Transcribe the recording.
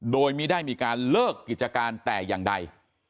โดยไม่ได้มีการเลิกกิจการแต่อย่างใด